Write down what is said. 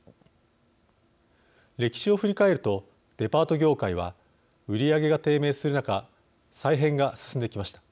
歴史を振り返るとデパート業界は売り上げが低迷する中再編が進んできました。